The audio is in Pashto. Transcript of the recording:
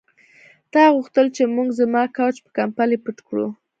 تا غوښتل چې موږ زما کوچ په کمپلې پټ کړو